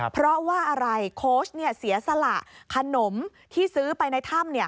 เพราะว่าอะไรโค้ชเสียสละขนมที่ซื้อไปในถ้ำ